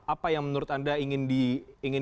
apa yang menurut anda ingin